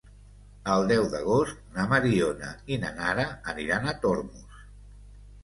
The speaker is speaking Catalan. El deu d'agost na Mariona i na Nara aniran a Tormos.